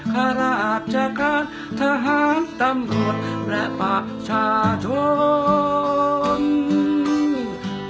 ขนาดจักรทหารตำรวจและปากชาติ